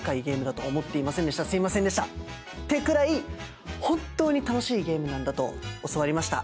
すいませんでしたってくらい本当に楽しいゲームなんだと教わりました。